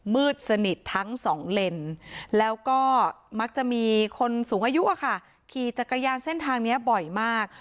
มืดสนิททั้งสองเลนแล้วก็มักจะมีคนสูงอายุขี่จักรยานเส้นทางนี้บ่อยมาก